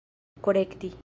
korekti